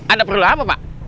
ada perlu apa pak